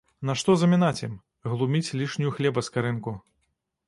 Нашто замінаць ім, глуміць лішнюю хлеба скарынку.